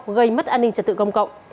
gây mất an ninh trật tự công cộng